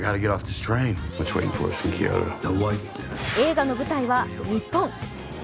映画の舞台は日本。